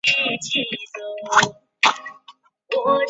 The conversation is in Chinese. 香港水玉杯是水玉簪科水玉杯属下的一个腐生草本植物物种。